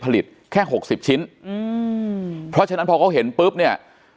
แค่หกสิบชิ้นอืมเพราะฉะนั้นพอเขาเห็นปุ๊บเนี่ย